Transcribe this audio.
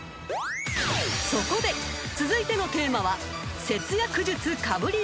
［そこで続いてのテーマは］